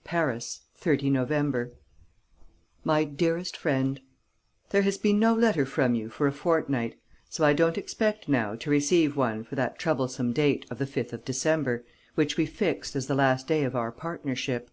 _ "PARIS 30 NOVEMBER "My Dearest Friend, "There has been no letter from you for a fortnight; so I don't expect now to receive one for that troublesome date of the 5th of December, which we fixed as the last day of our partnership.